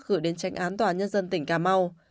gửi đến tranh án tòa nhân dân tỉnh cà mau